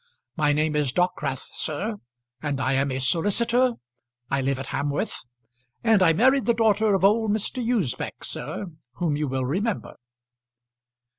My name is Dockwrath, sir, and I am a solicitor. I live at Hamworth, and I married the daughter of old Mr. Usbech, sir, whom you will remember."